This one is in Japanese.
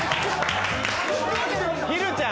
ひるちゃん。